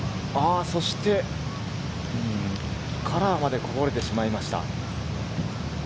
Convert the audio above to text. あ、そしてカラーまでこぼれてしまいました。